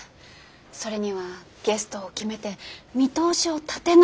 それにはゲストを決めて見通しを立てないと。